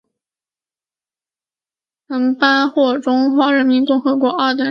曾获颁中华民国二等景星勋章。